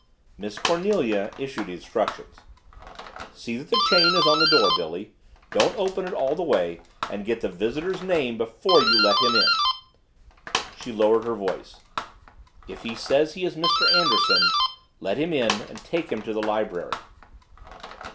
Miss Cornelia issued instructions. "See that the chain is on the door, Billy. Don't open it all the way. And get the visitor's name before you let him in." She lowered her voice. "If he says he is Mr. Anderson, let him in and take him to the library."